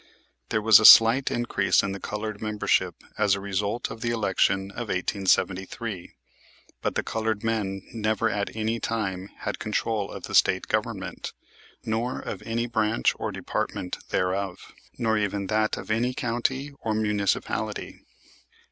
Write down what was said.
There was a slight increase in the colored membership as a result of the election of 1873, but the colored men never at any time had control of the State Government nor of any branch or department thereof, nor even that of any county or municipality.